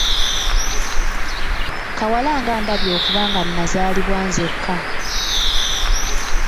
Kawala nga ndabye okuba nga nnazaalibwa nzekka!